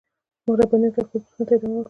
مهرباني وکړئ خپلو پوښتنو ته ادامه ورکړئ.